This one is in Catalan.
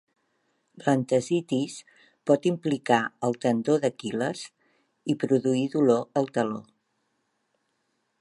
L'entesitis pot implicar el tendó d'Aquil·les i produir dolor al taló.